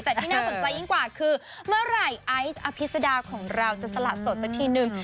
แต่ที่น่าสนใจยิ่งกว่าคือเมื่อไหร่ไอซ์อภิษดาของเราจะสละสดสักทีนึง